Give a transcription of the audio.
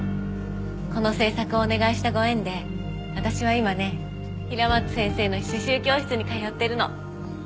この制作をお願いしたご縁で私は今ね平松先生の刺繍教室に通ってるの。